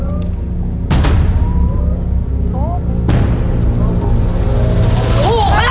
แต่ใจก็จะชื้นขึ้นนะครับ